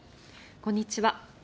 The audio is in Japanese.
こんにちは。